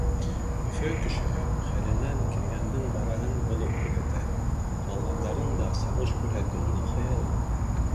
Өфө кешеһе хәленән килгәндең барыһын боҙоп күрһәтә. Ҡалғандарын да салыш күрһәтеү — уның хыялы.